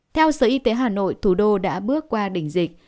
theo sở y tế hà nội thủ đô đã bước qua đỉnh dịch